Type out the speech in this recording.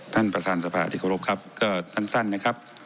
ท่านประธานสภาที่เคารพครับก็สั้นนะครับ